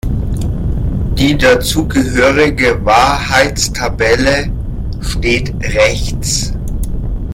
Die dazugehörige Wahrheitstabelle steht rechts.